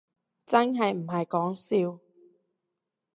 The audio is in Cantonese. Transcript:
真係唔係講笑